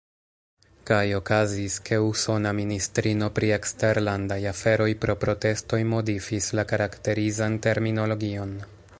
Kaj okazis, ke usona ministrino pri eksterlandaj aferoj pro protestoj modifis la karakterizan terminologion.